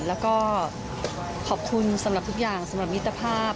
แล้วก็ขอบคุณสำหรับทุกอย่างสำหรับมิตรภาพ